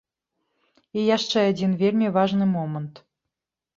І яшчэ адзін вельмі важны момант.